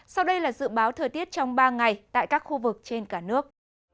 sau đây là dự báo thời tiết trong ba ngày tại các khu vực trên cả nước